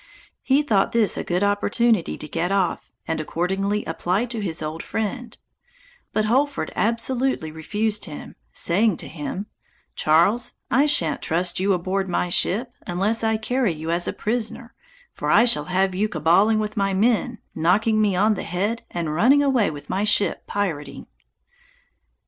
He thought this a good opportunity to get off, and accordingly applied to his old friend: but Holford absolutely refused him, saying to him, "Charles, I shan't trust you aboard my ship, unless I carry you as a prisoner, for I shall have you caballing with my men, knocking me on the head, and running away with my ship pirating."